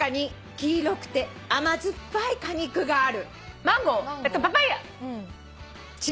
「黄色くて甘酸っぱい果肉がある」